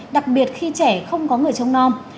đặc biệt khi trẻ không có người chồng non